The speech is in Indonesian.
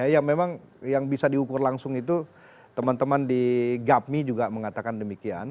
ya memang yang bisa diukur langsung itu teman teman di gapmi juga mengatakan demikian